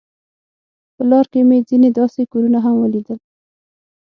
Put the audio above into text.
په لار کې مې ځینې داسې کورونه هم ولیدل.